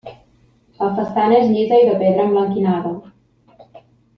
La façana és llisa i de pedra emblanquinada.